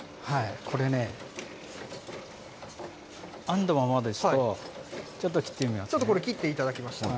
これね、編んだままですと、ちょっと切ってみますね。